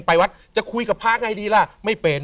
ไปวัดจะคุยกับพระไงดีล่ะไม่เป็น